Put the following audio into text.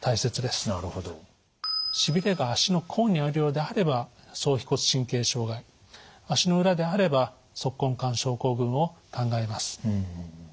しびれが足の甲にあるようであれば総腓骨神経障害足の裏であれば足根管症候群を考えます。